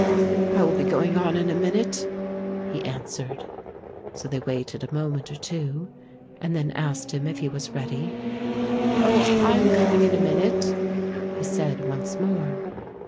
"I will be going on in a minute," he answered. So they waited a moment or two and then asked him if he was ready. "Oh, I am coming in a minute," he said once more.